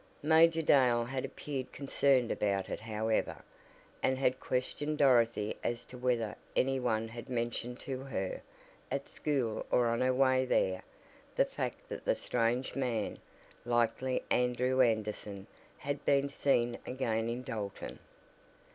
Major Dale had appeared concerned about it however, and had questioned Dorothy as to whether any one had mentioned to her, at school or on her way there, the fact that the strange man, likely Andrew Anderson, had been seen again in Dalton.